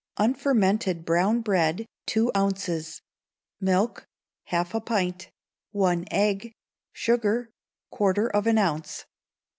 Unfermented brown bread, two ounces; milk, half a pint; one egg; sugar, quarter of an ounce.